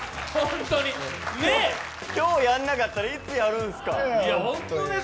今日やんなかったら、いつやるんですか。